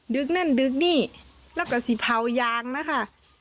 ึกนั่นดึกนี่แล้วก็สิเผายางนะคะ